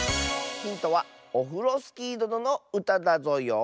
ヒントはオフロスキーどののうただぞよ。